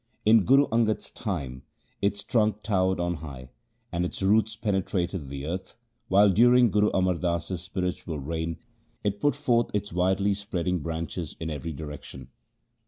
In Guru Angad's time its trunk towered on high, and its roots penetrated the earth, while during Guru Amar Das's spiritual reign it put forth its widely spreading branches in every direction.